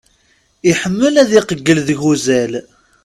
Iḥemmel ad iqeggel deg uzal.